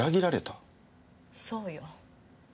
そうよ。